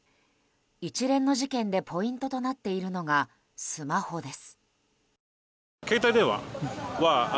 一連の事件でポイントとなっているのがスマホです。